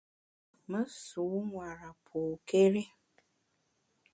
Me nsu nwera pôkéri.